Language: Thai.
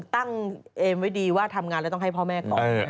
ติ้งอันไว้ดีว่าทำงานต้องให้พ่อแม่ก็ม